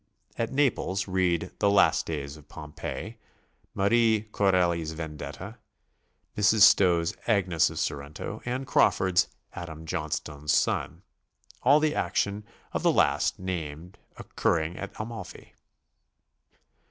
At Naples read "The Last Days of Pompeii," Marie Corelli's "Vendetta," Mrs. Stowe's "Agnes of Sorrento," and Crawford's "Adam John stone's Son," all the action of the last named occurring at Amalfi.